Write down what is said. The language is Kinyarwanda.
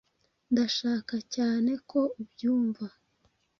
Ndashaka cyane ko ubyumva.